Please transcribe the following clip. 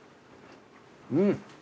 うん。